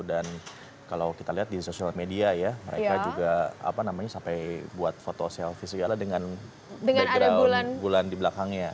dan kalau kita lihat di sosial media ya mereka juga sampai buat foto selfie segala dengan background bulan di belakangnya